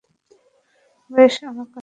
বেশ, আমার আছে!